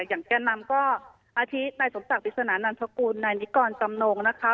แก่นำก็อาทินายสมศักดิษนานันทกุลนายนิกรจำนงนะคะ